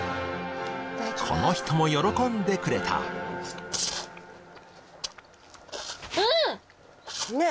この人も喜んでくれたうんっ！